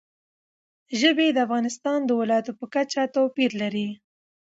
ژبې د افغانستان د ولایاتو په کچه توپیر لري.